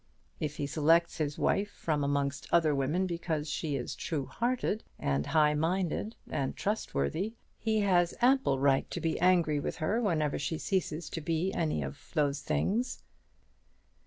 If he selects his wife from amongst other women because she is true hearted and high minded and trustworthy, he has ample right to be angry with her whenever she ceases to be any one of these things.